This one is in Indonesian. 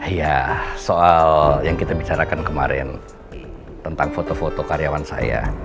ya soal yang kita bicarakan kemarin tentang foto foto karyawan saya